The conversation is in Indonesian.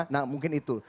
nah mungkin itu